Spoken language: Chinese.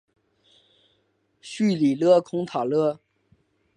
叙里勒孔塔勒。